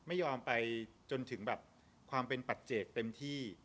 ไม่ยอมไปจนถึงแบบความเป็นปัจเจกเต็มที่